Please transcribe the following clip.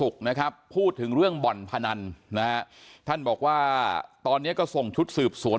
พนันนะฮะท่านบอกว่าตอนนี้ก็ส่งชุดสืบสวน